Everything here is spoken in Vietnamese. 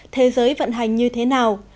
thế giới vận hành như thế nào